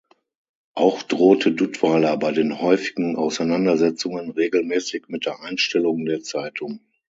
Auch drohte Duttweiler bei den häufigen Auseinandersetzungen regelmässig mit der Einstellung der Zeitung.